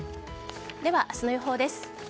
では、明日の予報です。